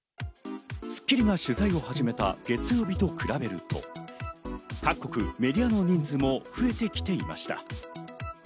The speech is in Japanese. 『スッキリ』が取材を始めた月曜日と比べると、各国メディアの人数も増えてきていました。